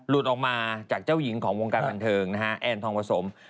ออกมาจากเจ้าหญิงของวงการบันเทิงนะฮะแอนทองผสม